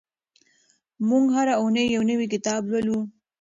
موږ هره اونۍ یو نوی کتاب لولو.